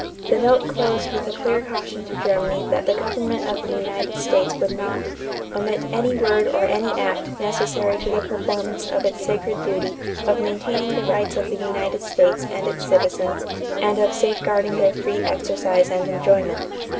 The note closed with a clear caution to Germany that the government of the United States would not "omit any word or any act necessary to the performance of its sacred duty of maintaining the rights of the United States and its citizens and of safeguarding their free exercise and enjoyment."